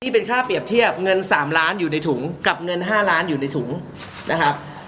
เป็นค่าเปรียบเทียบเงิน๓ล้านอยู่ในถุงกับเงิน๕ล้านอยู่ในถุงนะครับ